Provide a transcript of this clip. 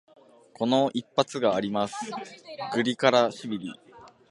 この一発があります、グリガラシビリ。